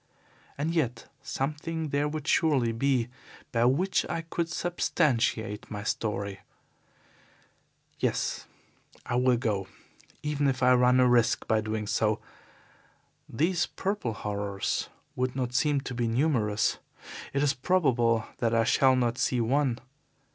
And yet something there would surely be by which I could substantiate my story. Yes, I will go, even if I run a risk by doing so. These purple horrors would not seem to be numerous. It is probable that I shall not see one.